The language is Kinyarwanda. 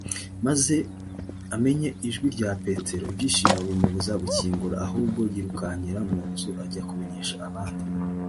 maze amenye ijwi rya petero ibyishimo bimubuza gukingura ahubwo yirukankira mu nzu ajya kumenyesha abandi